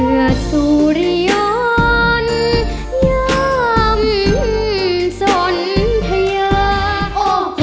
เมื่อสุริยนต์ย่ำสนเทยะ